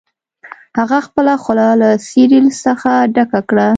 هغه خپله خوله له سیریل څخه ډکه کړه